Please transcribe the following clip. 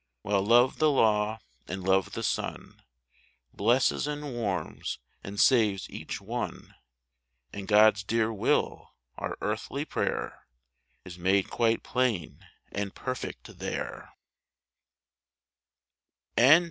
While Love the law and Love the sun Blesses and warms and saves each one ; And God s dear will, our earthly prayer, Is made quite plain and perfect there.